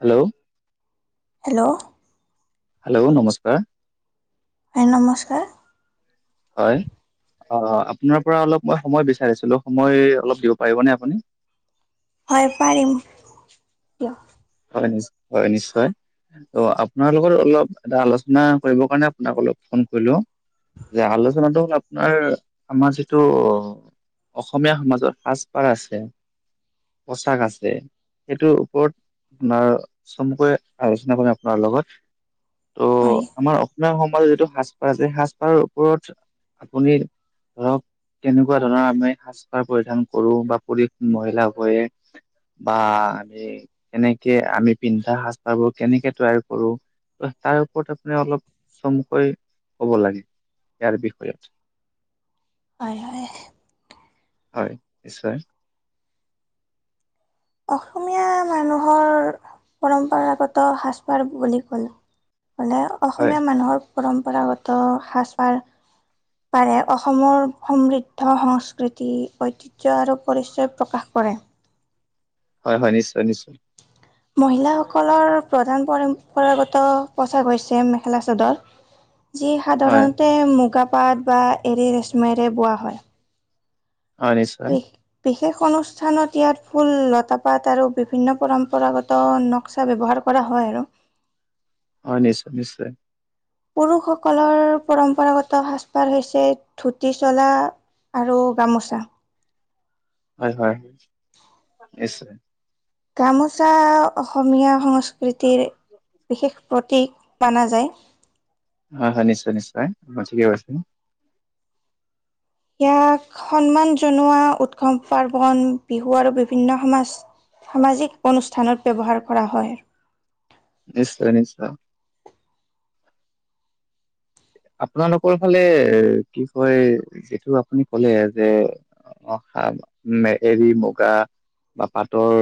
Hello. Hello. Hello নমস্কাৰ। হয় নমস্কাৰ। হয়। অ', আপোনাৰ পৰা অলপ মই সময় বিচাৰিছিলো, সময় অলপ দিব পাৰিবনে আপুনি। হয় পাৰিম, কিয়? হয় নিশ্চয়, হয় নিশ্চয়। অ' আপোনাৰ লগত অলপ এটা আলোচনা কৰিব কাৰণে আপোনাক অলপ ফোন কৰিলোঁ। যে আলোচনাটো হ'ল, আপোনাৰ আমাৰ যিটো। অসমীয়া সমাজত সাজপাৰ আছে। পোচাক আছে, সেইটোৰ ওপৰত। বাৰু, চমুকৈ আলোচনা কৰিম আপোনাৰ লগত, ত হয় আমাৰ অসমীয়া সম। আমাৰ যিটো সাজপাৰ আছে, সাজপাৰৰ ওপৰত আপুনি ধৰক। কেনেকুৱা ধৰণৰ আমি সাজ পাৰ পৰিধান কৰো বা পুৰুষ মহিলা উভয়ে। বা আমি, কেনেকে আমি পিন্ধা সাজ পাৰ বোৰ কেনেকে তৈয়াৰ কৰো। তাৰ ওপৰত আপুনি অলপ চমুকৈ ক'ব লাগে। ইয়াৰ বিষয়ে। হায় হায়? হয়, নিশ্চয়। অসমীয়া মানুহৰ পৰম্পৰাগত সাজপাৰ বুলি ক'লে। ক'লে, হয় অসমীয়া মানুহৰ পৰম্পৰাগত সাজপাৰ। পাৰে অসমৰ সমৃদ্ধ, সংস্কৃতি, ঐতিহ্যয় আৰু পৰিচয় প্ৰকাশ। কৰে। হয়, হয়, নিশ্চয়, নিশ্চয়। মহিলাসকলৰ প্ৰধান পৰম্পৰাগত পোছাক হৈছে, মেখেলা চাদৰ। যি হয় সাধাৰণতে মুগা পাট বা এৰি ৰেশ্মাইৰে বোৱা হয়। হয়, নিছ বিশেষ অনুষ্ঠানত ইয়াত ফুল, লতা, পাত আৰু বিভিন্ন পৰম্পৰাগত নক্সা ব্যৱহাৰ কৰা হয়, আৰু। [inaudible] হয়, নিশ্চয়, নিশ্চয়। পুৰুষসকলৰ পৰম্পৰাগত সাজপাৰ হৈছে ধুতি, চলা। আৰু গামোচা। হয়, হয়, হয়, নিশ্চয়। গামোচা অসমীয়া সংস্কৃতিৰ বিশেষ প্ৰতীক মনা যায়। অ, হয়, হয়, নিশ্চয়, নিশ্চয় পই থিকে, কৈছ। ইয়াক সন্মান জনোৱা উৎসৱ পাৰ্বন বিহু আৰু বিভিন্ন সমাজ সামাজিক অনুষ্ঠানত ব্যৱহাৰ কৰা হয়। নিশ্চয়, নিশ্চয়। আপোনালোকৰ ফালে কি কয়, যিটো আপুনি কলে যে। হ, মে, এৰি মুগা বা পাতৰ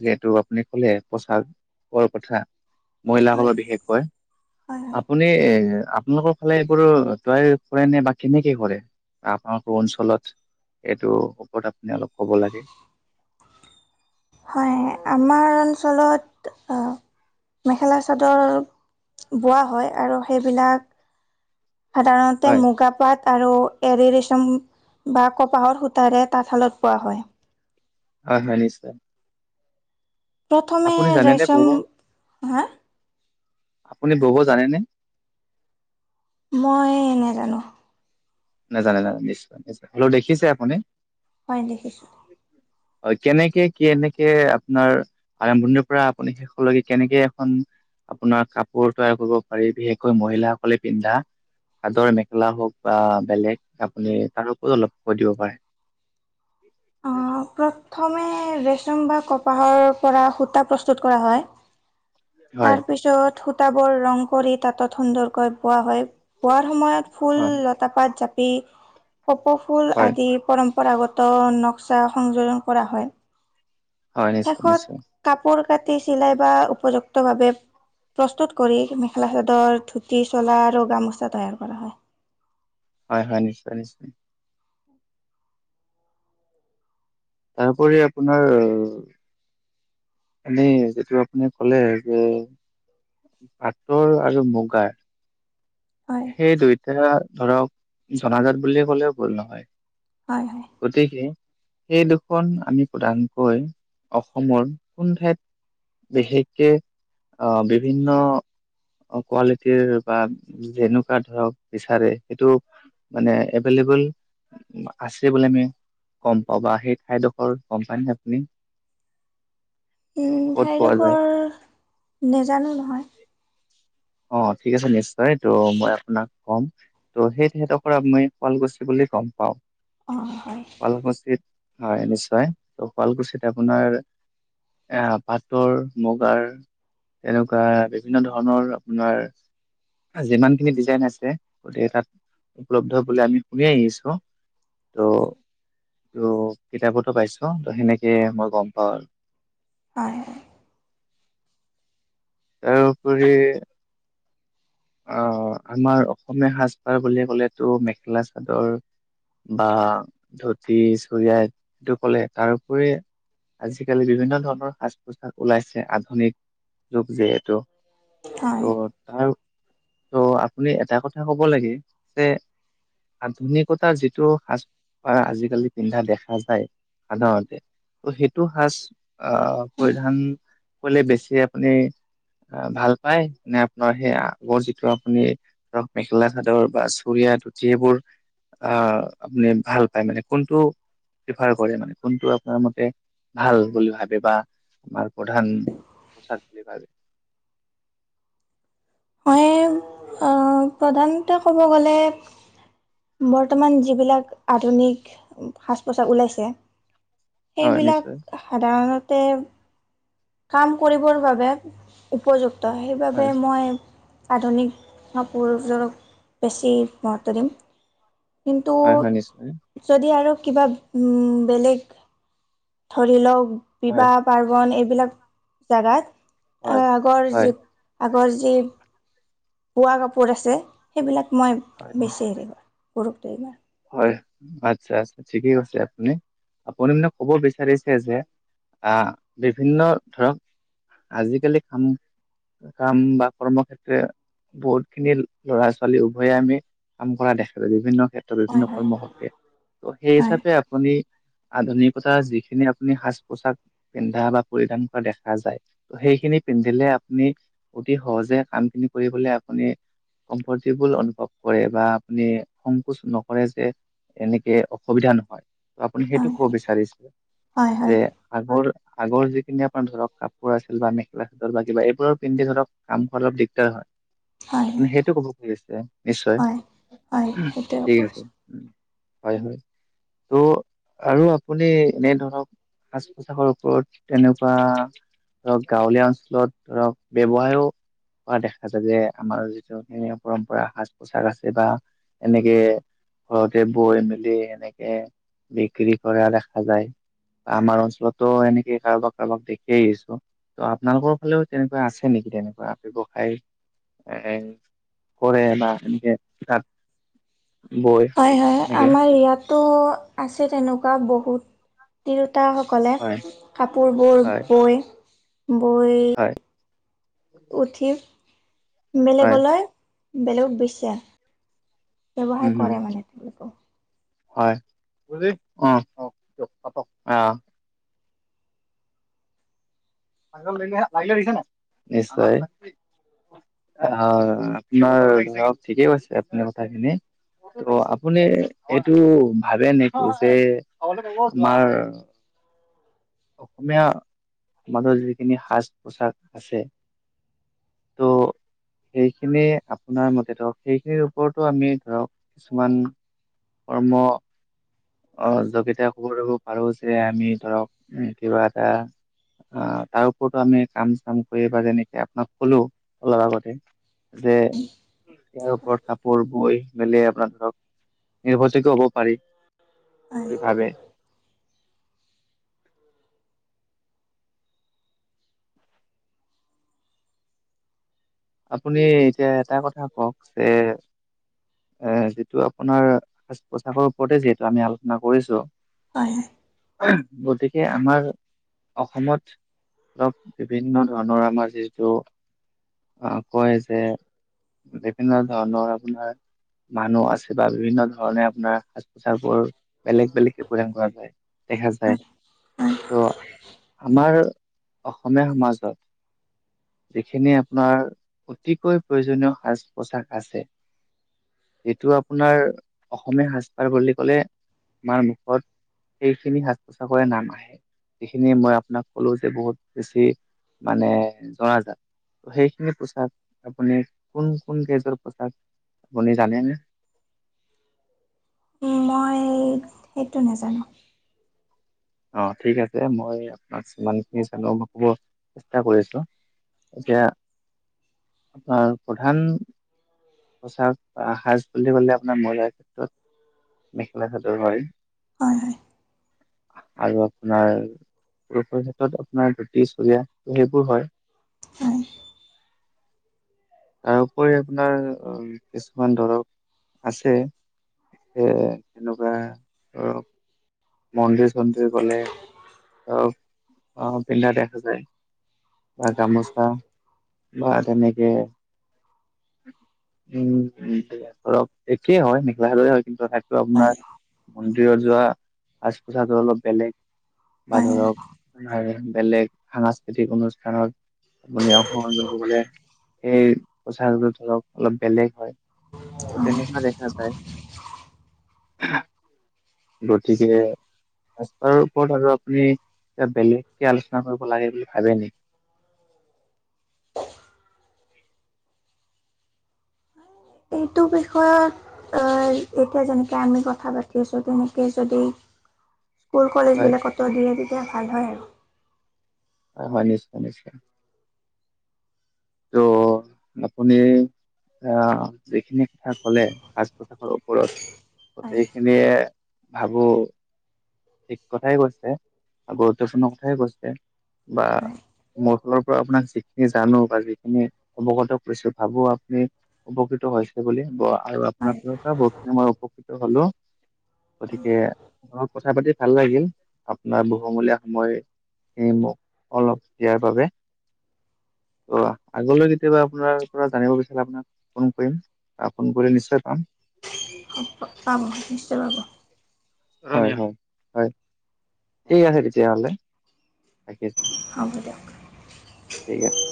যিহেতু, আপুনি কলে পোচাকৰ কথা। হয় মহিলাসকলৰ বিশেষকৈ হয় হয় আপুনি এ, আপোনালোকৰ ফালে এইবোৰ তয়াৰ কৰে, নে, বা কেনেকে কৰে আপোনাৰ। এইটো ওপৰত আপুনি অলপ ক'ব লাগে। হয়, আমাৰ অঞ্চলত। মেখেলা চাদৰ বোৱা হয় আৰু সেইবিলাক। সাধাৰণতে হয় মুগা, পাট আৰু এৰি বা কপাহৰ সূতাৰে তাঁতশালত বোৱা হয়। [inaudible] প্ৰথমে আপুনি জানেনে বব ৰেচম হা? আপুনি বব জানেনে? মই নাজানো। নাজানে, নানে, নিশ্চয়, নিশ্চয়, হলেও দেখিছে আপুনি? হয়, দেখিছো। হয়, কেনেকে কি কেনেকে আপোনাৰ আৰম্ভণিৰ পৰা আপুনি শেষলৈকে কেনেকে এখন। আপ চাদৰ মেখেলা হওক বা বেলেগ আপুনি তাৰ পৰত অলপ কৈ দিব পাৰে। অ, প্ৰথমে পৰা কপাহৰ পৰা সূতা প্ৰস্তুত কৰা হয়। হয় ত, বোৰ ৰং কৰি তাঁত সুন্দৰকৈ বোৱা হয়। বোৱাৰ সময়ত ফুল হয় লতাপাত জাপ। কপৌ ফুল হয় আদি পৰম্প পৰাগত নক্সা সংযোজন কৰা হয়। হয়, নিশ্চয়, শেষত নিশ্চয়। কাপোৰ কাটি চিলাই বা উপযুক্ত ভাৱে। প্ৰস্তুত কৰি মেখেলা চাদৰ ধূতি চ হয়, হয় নিশ্চয়, নিশ্চয়। তাৰোপৰি আপোনাৰ এনেই যিটো আপুনি কলে যে পাটৰ আৰু মুগাৰ হয় সেই দুইটা ধৰক জনাজাত বুলি কলেও ভূল নহয় হয় হয়। গতিকে। সেই দুখন আমি প্ৰধানকৈ অসমৰ কোন ঠাইত। বিশেষকে আহ বিভিন্ন। কোৱালিটিৰ বা যেনেকুৱা ধৰক বিচাৰে সেইটো। মানে এভেইলেবল আছে বুলি আমি। গ'ম পাব বা সেই ঠাইডোখৰ গ'ম পানে আপুনি। উম, ক'ত পোৱা যায় ঠাইডোখৰ নাজানো নহয়। অ'থিক আছে নিশ্বয় টো মই আপোনাক কম সেই ঠাই ডোখৰত আপুনি শুৱালকুছি বুলি গ'ম পাওঁক অ হয় হয় শুৱালকুচিত। হয় নিশ্চয়, ত, শুৱালকুছিত আপোনাৰ। এ পাটৰ, মুগাৰ বিভিন্ন ধৰণৰ। আপোনাৰ। যিমানখিনি ডিজাইন আছে, গতিকে তাত উপলব্ধ বুলি আমি শুনি আহিছো। ত' ত কিতাপতো পাইছো ত' সেনেকে মই গ'ম পাওঁ আৰু। হয়। তাৰওপৰি। আহ আমাৰ অসমীয়া সাজ পাৰ বুলি ক'লেতো মেখেলা, চাদৰ। বা ধুতি চৰিয়া সেইটো ক'লে তাৰ উপৰিও পৰি। আজিকালি বিভিন্ন ধৰণৰ সাজ পোছাক ওলাইছে আধুনিক যুগ যিহেতু। [unintelligible] ত' আপুনি এটা কথা ক'ব লাগে যে। আধুনিকতাৰ যিটো সাজ পাৰ আজিকালি পিন্ধা দেখা যায়। সাধাৰণতে। ত' সেইটো সাজ আহ পৰিধান কৰিলে বেছি আপুনি। অ' ভাল পাই নে আপোনাৰ সেইয়া। লগৰ যিটো আপুনি ধৰক মেখেলা-চাদৰ বা চৰিয়া ধুতি সেইবোৰ অহ' আপুনি ভাল পায় মানে, কোনটো প্ৰিফাৰ কৰে মানে কোনটো আপোনাৰ মতে ভাল বুলি ভাবে বা আমাৰ প্ৰধান। প্ৰচাদ বুলি ভাবে। মই প্ৰধানতে ক'ব গ'লে। বৰ্তমান যিবিলাক আধুনিক সাজ-পোছাক ওলাইছে। হয় নিশ্চয় সেইবিলাক সাধাৰণত। তে কাম কৰিবৰ বাবে উপযুক্ত হয় সেইবাবে মই। আধুনিকোৰক বেছি মহত্ব দিম। কিন্তু, হয় হয় নিশ্চয় যদি আৰু কিবা বেলেগ ধৰি লওক হয় বিবাহ বাৰবন বিলাক যেগাত হয় আগৰ হয় যি আগৰ যি বোৱা কাপোৰ আছে, সেইবিলাক মই হয় বেছি হেৰি গুৰুত্ব দিওঁ। হয়, আচ্ছা, আচ্ছা, ঠিকে কৈছে, আপুনি আপুনি মানে ক'ব বিচাৰিছে যে। অহ' বিভিন্ন ধৰক আজিকালি কাম। কাম বা কৰ্মক্ষেতে। বহুত খিনি ল'ৰা ছোৱালী উভয়ে আমি কাম কৰা দেখা যায় বিভিন্ন ক্ষেত্ৰত। বিভিন্ন হয় হয় কৰ্ম সূত্ৰে সেই হয় হিচাপে আপুনি। আধুনিকতাৰ যিখিনি আপুনি সাজ পোছাক পিন্ধা বা পৰিধান কৰা দেখা যায়, ত সেই সেইখিনি পিন্ধিলে আপুনি অতি সহজে কাম খিনি কৰিবলে আপুনি। কমফৰ্টেবল অনুভৱ কৰে বা আপুনি সংকোচ নকৰে যে এনেকে অসুবিধা নহয়। ত, আপুনি সেইটো হয় ক'ব হয় বিচাৰিছে হয় যে হয় আগৰ আগৰ যিখিনি আপোনাৰ ধৰক কাপোৰ আছিল বা মেখেলা-চাদৰ বা কিবা এইবোৰৰ পিন্ধি ধৰক কাম কৰা দিগদাৰ হয়। হয় হয় আপুনি সেইটো ক'ব খুজিছে নিশ্চয়। হয় হয় সেইটোৱে ঠিক হ'ব আছে। হয় হয়। ত' আৰু আপুনি এনে ধৰক সাজ-পোছাকৰ ওপৰত তেনেকুৱা ধৰক গাঁৱলীয়া অঞ্চলত ধৰক ব্যৱহাৰো পোৱা দেখা যায়, যে আমাৰ যিটো পৰম্পৰা সাজ-পোছাক আছে বা এনেকে ঘৰতে বৈ মেলি এনেকে বিক্ৰী কৰা দেখা যায়। আমাৰ অঞ্চলতো এনেকে কাৰোবাক কাৰোবাক দেখিয় আহিছো। ত' আপোনালোকৰ ফালেও তেনেকুৱা আছে নেকি? তেনেকুৱা ব্যৱসায় এ কৰে বা এনেকে তাত বৈ হয় হয় এনেকে আমাৰ ইয়াতো আছে তেনেকুৱা বহুত তিৰতাসকলে হয় কাপোৰবোৰ হয় বৈ বৈ হয় উঠি হয় বেলেগলৈ বেলেগত বছে উম ব্যৱসায় হম কৰে মানে তেওঁলোকে। হয়- অ অ দিয় [unintelligible] অ নিশ্চয়। আহ আপোনাৰ ঠিকেই কৈছে আপাৰ কথাখিনি। ত' আপুনি এইটো ভাবে নেকি যে তোমাৰ অসমীয়া সমাজৰ যিখিনি সাজ-পোছাক আছে, তো সেইখিনি আপোনাৰ মতে ধৰক, সেইখিনিৰ ওপৰতো আমি ধৰক কিছুমান কৰ্ম সহযোগিতাই [unintelligible] পাৰো যে আমি ধৰক উম কিবা এটা আহ তাৰ ওপৰতো আমি কাম-চাম কৰি বা যেনেকে আপোনাক কলো অলপ আগতে, যে ইয়াৰ ওপৰত কাপোৰ বৈ মেলি আপোনাৰ ধৰক নিৰ্ভযোগ হ'ব পাৰি। হয় বুলি ভাবে। আপুনি এতিয়া এটা কথা কওক যে এ যিটো আপোনাৰ সাজ-পোছাকৰ ওপৰতে যিহেতু আমি আলোচনা কৰিছো। হয় হয়। গতিকে আমাৰ অসমত ধৰক বিভিন্ন ধৰণৰ আমাৰ যিটো অ কয় যে বিভিন্ন ধৰণৰ আপোনাৰ মানুহ আছে। বা বিভিন্ন ধৰণে আপোনাৰ সাজ-পোচাৰ বোৰ বেলেগ বেলেগকে পৰিধান কৰা যায়। দেখা যায়। হয় হয় ত' আমাৰ অসমীয়া সমাজত যিখিনি আপোনাৰ অতিকৈ প্ৰয়োজনীয় সাজ-পোছাক আছে, যিটো আপোনাৰ অসমীয়া সাজ-পাৰ বুলি কলে আমাৰ মুখত সেইখিনি সাজ পোছাকৰে নাম আহে। যিখিনি মই আপোনাক ক'লো যে বহুত বেছি মানে জনাজাত, সেই পোচাক আপুনি, কোন কোন কেজৰ পোচাক আপুনি জানেনে? [inaudible] মই সেইটো নাজানো। অ ঠিক আছে। মই আপোনাক যিমানখিনি জানো কব চেষ্টা কৰিছো। এতিয়া আপোনাৰ প্ৰধান পোচাক সাজ বুলি কলে আপোনাৰ মই জনা ক্ষেত্ৰত মেখেলা-চাদৰ হয়। হয় হয়। [inaudible] আৰু আপোনাৰ পুৰুষৰ ক্ষেত্ৰত আপোনাৰ ধুতি-চৰিয়া সেইবোৰ হয়। হয় তাৰপৰি আপোনাৰ কিছুমান ধৰক আছে স, তেনেকুৱা ধৰক মন্দিৰ, চন্দিৰ গলে, আহ, আহ পিন্ধা দেখা যায়। বা, গামোচা বা তেনেকে। উম, ধৰপ একেই হয়, মেখেলা হ, হয়। কিন্তু টো, হয় আপোনাৰ মন্দিৰত যোৱা সাজ পোছাকটো অলপ বেলেগ। বা হয় ধৰক আোনাৰ বেলেগ সাংস্কৃতিক, অনুষ্ঠানত আপনি অ'। লে, সেই, পোচাক ধৰক অলপ বেলেগ হয়। হয় তেনে কা, দেখা চায় ব, ঠিক যে ৰাাৰৰ ওপৰত আৰু আপুনি ক বেলেগকে আলোচনা কৰিব লাগে বুলি ভাবে নেকি। [inaudible] এইটো বিষয়ত আহ, এতিয়া যেনেকে আমি কথা পাতি আছো তেনেকে যদি [inaudible] স্কুল হয়, কলেজবিলাকতো দিয়ে, তেতিয়া ভাল হয় আৰু। হয়, হয়, নিশ্চয়, নিশ্চয়। ত আপুনি আহ যিখিনি কথা কলে, সাজ, পোছাকৰ ওপৰত। হয় গোটেইখিনিয়ে ভাবো ঠিক কথাই কৈছে। আগতেখনৰ কথাই কৈছে বা হয় মোৰ ফালৰ পৰা আপোনাক যিখিনি জানো বা যিখিনি অৱগত কৰিছো ভাবো আপুনি অ'। টো হৈছে বুলি, ব। আৰু আপোনাৰ হয় ফ, পৰা বহুতখিনি মই উপকৃত হলো গতিকে কথা পাতি ভাল লাগিল, আপোনাৰ বহুমূলীয়া সময় এই মোক অলপ দিয়াৰ বাবে। ত, আগলৈ কেতিয়াবা আপোনাৰ পৰা জানিব বিচাৰে আপোনাক ফোন কৰিম। আহ, ফোন কৰি নিশ্চয় পাম। চাবাব হয়, হয়, হয়, ঠিক আছে, তেতিয়াহলে। ৰাখিছো হ'ব দিয়ক ঠিক আছে।